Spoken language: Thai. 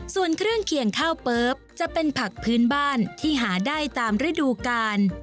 ส่วนเครื่องเคียงข้าวเปิ๊บจะเป็นผักพื้นบ้านที่หาได้ตามฤดูกาล